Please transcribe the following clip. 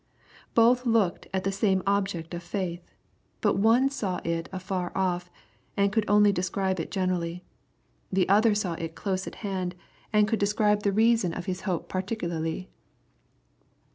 Both looked at the same object of faith. But one saw it afar off, and could only describe it generally. The other saw it close at hand, and could describe the reason 224 EXPOSITOBT THOUGHTS. of his hope particularly.